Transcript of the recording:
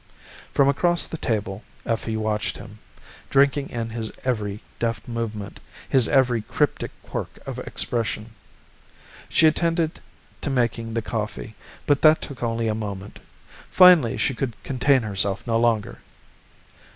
From across the table Effie watched him, drinking in his every deft movement, his every cryptic quirk of expression. She attended to making the coffee, but that took only a moment. Finally she could contain herself no longer.